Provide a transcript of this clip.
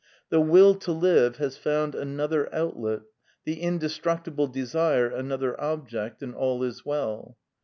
The Will to live has found another outlet, the indestructible desire another ob ject, and all is well.